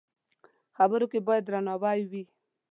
خبرو کې باید درناوی وي